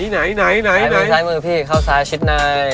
ทรายมือพี่เข้าซ้ายชิดไหน